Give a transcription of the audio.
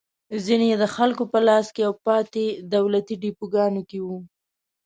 ځینې یې د خلکو په لاس کې او پاتې دولتي ډېپوګانو کې وو.